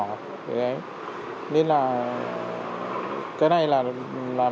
nên là cái này là vận chuyển